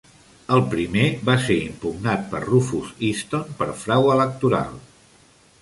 El primer va ser impugnat per Rufus Easton per frau electoral.